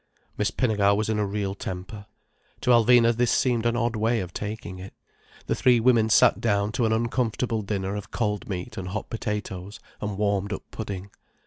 Miss Pinnegar was in a real temper. To Alvina this seemed an odd way of taking it. The three women sat down to an uncomfortable dinner of cold meat and hot potatoes and warmed up pudding.